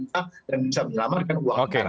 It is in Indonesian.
muka dan bisa menyelamatkan uang